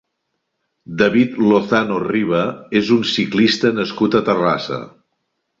David Lozano Riba és un ciclista nascut a Terrassa.